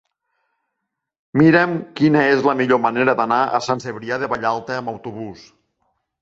Mira'm quina és la millor manera d'anar a Sant Cebrià de Vallalta amb autobús.